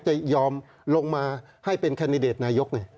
จะยอมลงมาให้เป็นแคนดิเดตนายก